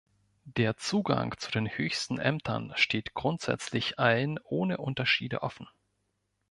Der Zugang zu den höchsten Ämtern steht grundsätzlich allen ohne Unterschiede offen.